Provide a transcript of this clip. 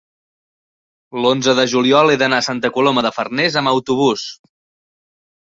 l'onze de juliol he d'anar a Santa Coloma de Farners amb autobús.